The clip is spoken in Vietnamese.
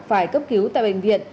phải cấp cứu tại bệnh viện